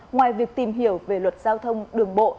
ngoài việc tìm hiểu về luật giao thông đường bộ